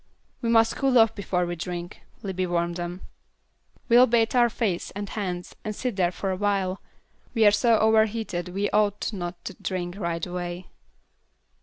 "We must cool off before we drink," Libbie warned them. "We'll bathe our faces and hands, and sit here for a while. We are so overheated we ought not to drink right away."